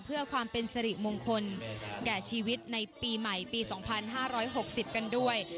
เพื่อความเป็นสิริมงคลแก่ชีวิตในปีใหม่ปี๒๕๖๐กันด้วย